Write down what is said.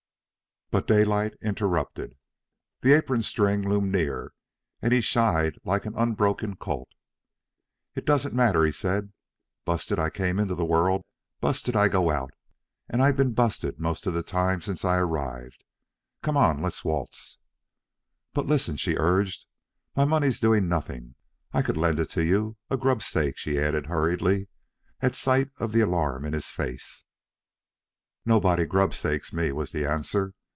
But Daylight interrupted. The apron string loomed near and he shied like an unbroken colt. "It don't matter," he said. "Busted I came into the world, busted I go out, and I've been busted most of the time since I arrived. Come on; let's waltz." "But listen," she urged. "My money's doing nothing. I could lend it to you a grub stake," she added hurriedly, at sight of the alarm in his face. "Nobody grub stakes me," was the answer.